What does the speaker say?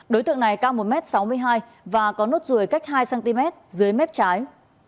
đối tượng này cao một m sáu mươi hai và có nốt ruồi cách hai cm dưới mép trái